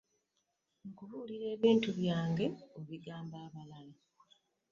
Nkubuulira ebintu byange obigamba abalala.